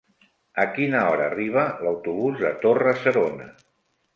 A quina hora arriba l'autobús de Torre-serona?